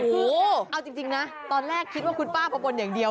โอ้โหเอาจริงนะตอนแรกคิดว่าคุณป้าพอบนอย่างเดียว